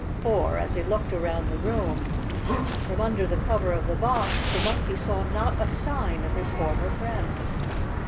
For, as he looked around the room, from under the cover of the box, the Monkey saw not a sign of his former friends.